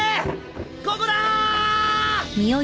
ここだ！